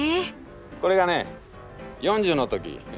これがね４０の時。